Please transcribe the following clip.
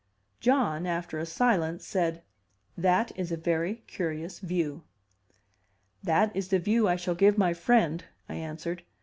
John, after a silence, said: "That is a very curious view." "That is the view I shall give my friend," I answered.